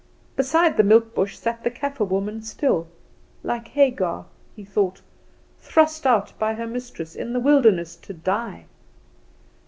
Beside the milk bush sat the Kaffer woman still like Hagar, he thought, thrust out by her mistress in the wilderness to die.